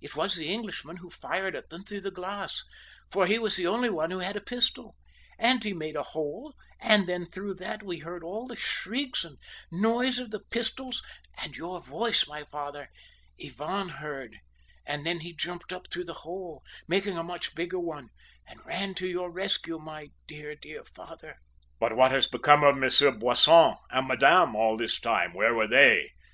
It was the Englishman who fired at them through the glass, for he was the only one who had a pistol, and he made a hole and then through that we heard all the shrieks and the noise of the pistols; and your voice, my father, Ivan heard, and then he jumped up through the hole, making a much bigger one, and ran to your rescue, my dear, dear father." "But what has become of Monsieur Boisson, and Madame all this time; where were they?"